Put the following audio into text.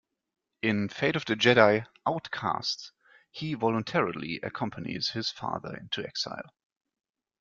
In "Fate of the Jedi: Outcast", he voluntarily accompanies his father into exile.